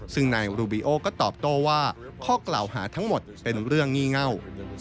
ซึ่งนายรูบิโอก็ตอบโต้ว่าข้อกล่าวหาทั้งหมดเป็นเรื่องงี่เง่า